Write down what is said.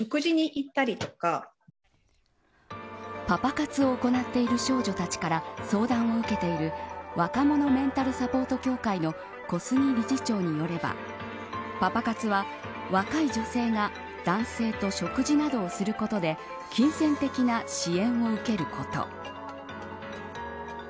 パパ活を行っている少女たちから相談を受けている若者メンタルサポート協会の小杉理事長によればパパ活は、若い女性が男性と食事などをすることで金銭的な支援を受けること。